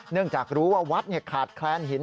เนื่องจากรู้ว่าวัดขาดแคลนหิน